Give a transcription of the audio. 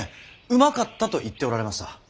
うまかったと言っておられました。